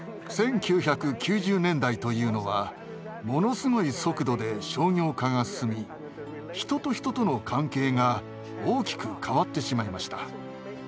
１９９０年代というのはものすごい速度で商業化が進み人と人との関係が大きく変わってしまいました。